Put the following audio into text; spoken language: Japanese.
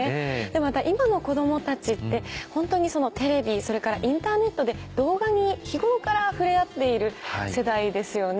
また今の子供たちって本当にテレビそれからインターネットで動画に日頃から触れ合っている世代ですよね。